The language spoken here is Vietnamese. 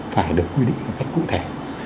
phải được quy định một cách cụ thể